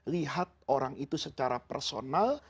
lihat orang itu secara personal